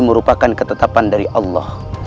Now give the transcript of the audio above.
merupakan ketetapan dari allah